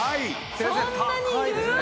先生高いですね。